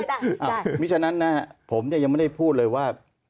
เพราะฉะนั้นนะครับผมยังไม่ได้พูดเลยว่า